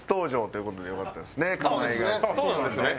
そうですね。